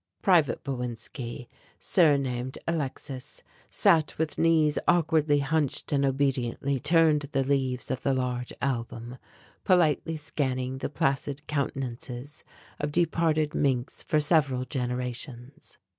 Private Bowinski, surnamed Alexis, sat with knees awkwardly hunched and obediently turned the leaves of the large album, politely scanning the placid countenances of departed Minks for several generations.